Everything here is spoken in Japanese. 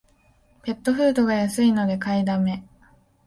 ペットフードが安いので買いだめ